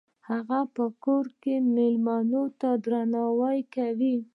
هغه په کور کې میلمنو ته درناوی کاوه.